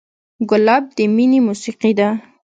ګلاب د مینې موسیقي ده.